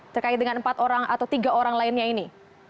terkait dengan empat orang atau tiga orang lainnya ini